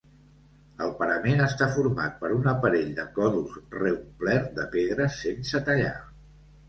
El parament està format per un aparell de còdols reomplert de pedres sense tallar.